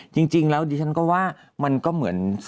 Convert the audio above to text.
จริงแล้วดิฉันก็ว่ามันก็เหมือน